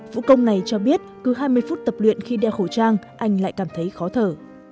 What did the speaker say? vũ công này cho biết cứ hai mươi phút tập luyện khi đeo khẩu trang anh lại cảm thấy khó thở